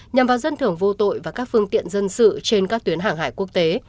nhằm vào dân thưởng vô tội và các phương tiện dân sự trên các tuyến hàng hải quốc tế